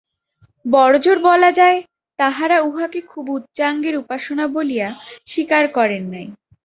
বড়জোর বলা যায়, তাঁহারা উহাকে খুব উচ্চাঙ্গের উপাসনা বলিয়া স্বীকার করেন নাই।